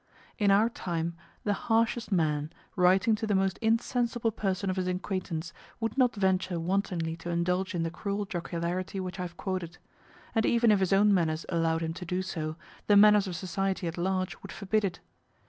In our time the harshest man writing to the most insensible person of his acquaintance would not venture wantonly to indulge in the cruel jocularity which I have quoted; and even if his own manners allowed him to do so, the manners of society at large would forbid it.